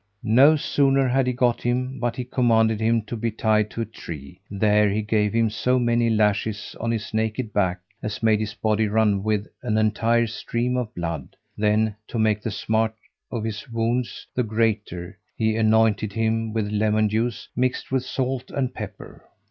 No sooner had he got him, but he commanded him to be tied to a tree; here he gave him so many lashes on his naked back, as made his body run with an entire stream of blood; then, to make the smart of his wounds the greater, he anointed him with lemon juice, mixed with salt and pepper.